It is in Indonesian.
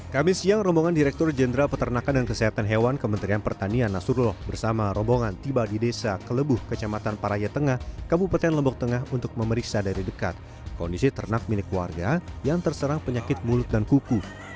kami siang rombongan direktur jenderal peternakan dan kesehatan hewan kementerian pertanian nasrullah bersama rombongan tiba di desa kelebuh kecamatan paraye tengah kabupaten lombok tengah untuk memeriksa dari dekat kondisi ternak milik warga yang terserang penyakit mulut dan kuku